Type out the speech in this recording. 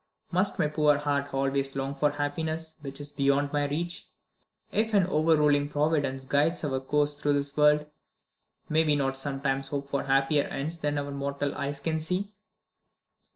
Must my poor heart always long for happiness which is beyond my reach? If an overruling Providence guides our course through this world, may we not sometimes hope for happier ends than our mortal eyes can see?"